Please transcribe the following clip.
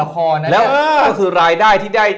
ก็คือรายได้ที่ได้